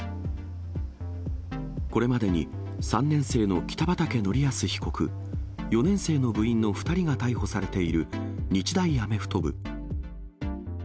これまでに３年生の北畠成文被告、４年生の部員の２人が逮捕されている日大アメフト部。